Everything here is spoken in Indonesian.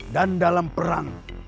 dan dalam perang